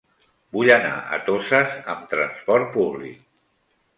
Vull anar a Toses amb trasport públic.